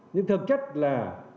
nhưng thực chất là